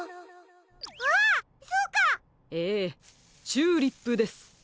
チューリップです。